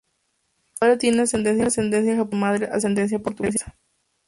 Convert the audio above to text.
Su padre tiene ascendencia japonesa y su madre ascendencia portuguesa.